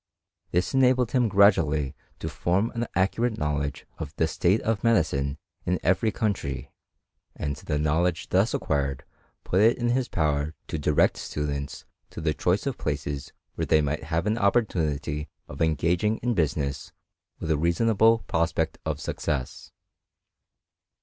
This enabled him gradually to form an ac curate knowledge of the state of medicine in every country, and the knowledge thus acquired put it in his power to direct students in the choice of places where they might have an opportunity of engaging in business with a reasonable prospect of success.